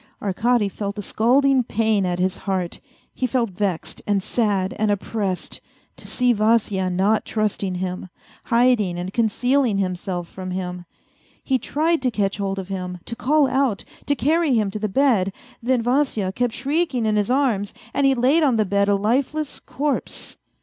Arkady felt a scalding pain at his heart; he felt vexed and sad and oppressed to see Vasya not trusting him, hiding and concealing himself from him. He tried to catch hold of him, to call out, to carry lu'm to the bed. Then Vasya kept shrieking in his arms, and he laid on the bed a lifeless corpse.